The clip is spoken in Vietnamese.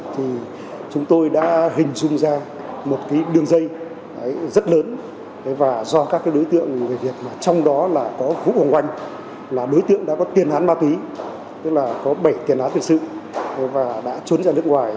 thì chúng tôi đã hình dung ra một cái đường dây rất lớn và do các cái đối tượng trong đó là có vũ hoàng oanh là đối tượng đã có tiền án ma túy tức là có bảy tiền án tiền sự và đã trốn ra nước ngoài